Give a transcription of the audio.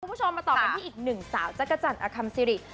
ทุกคุณผู้ชมมาต่อกันที่อีก๑สาวจักรจันทร์อาคัมซีรีส์